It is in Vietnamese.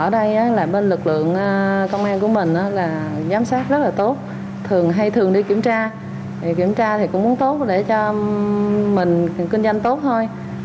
đối tượng công an của mình là giám sát rất là tốt hay thường đi kiểm tra kiểm tra thì cũng muốn tốt để cho mình kinh doanh tốt thôi